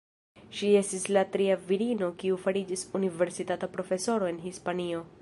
Ŝi estis la tria virino kiu fariĝis universitata profesoro en Hispanio.